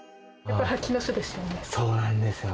そうなんですよ